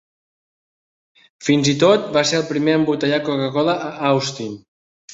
Fins i tot, va ser el primer a embotellar Coca-Cola a Austin.